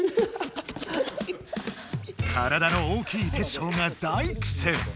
体の大きいテッショウが大くせん。